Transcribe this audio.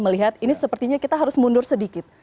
melihat ini sepertinya kita harus mundur sedikit